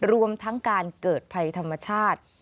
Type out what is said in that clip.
รวมทั้งการเกิดภัยธรรมชาติ